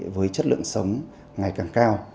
với chất lượng sống ngày càng cao